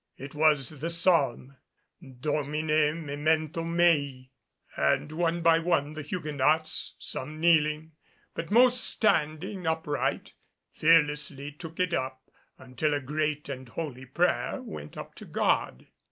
It was the Psalm "Domine memento mei" and one by one the Huguenots, some kneeling, but most standing upright, fearlessly took it up until a great and holy prayer went up to God.